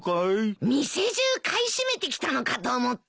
店じゅう買い占めてきたのかと思った。